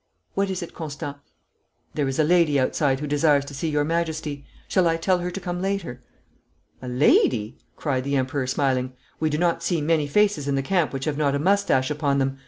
What is it, Constant?' 'There is a lady outside who desires to see your Majesty. Shall I tell her to come later?' 'A lady!' cried the Emperor smiling. 'We do not see many faces in the camp which have not a moustache upon them.